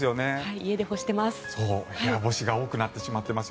家で干しています。